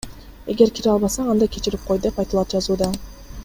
Эгер кире албасан, анда кечирип кой, — деп айтылат жазууда.